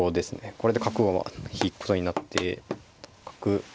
これで角を引くことになって角。